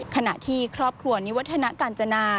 ขณะที่ครอบครัวนิวัฒนากาญจนา